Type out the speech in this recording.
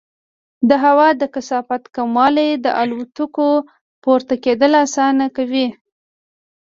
د هوا د کثافت کموالی د الوتکو پورته کېدل اسانه کوي.